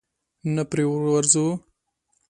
نه پرې ورځو؟